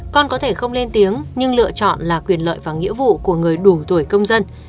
con có thể không lên tiếng nhưng lựa chọn là quyền lợi và nghĩa vụ của người đủ tuổi công dân